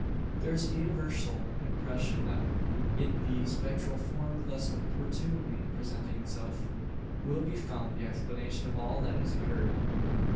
There is a universal impression that, in the spectral form thus opportunely presenting itself, will be found the explanation of all that has occurred.